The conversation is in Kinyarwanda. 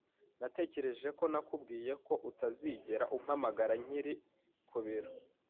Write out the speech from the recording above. Natekereje ko nakubwiye ko utazigera umpamagara nkiri ku biro.